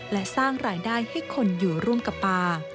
และสร้างรายได้ให้คนอยู่ร่วมกับป่า